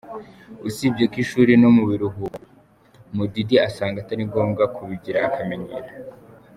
Usibye ku ishuri no mu biruhuko, Mudidi asanga atari ngombwa kubigira akamenyero.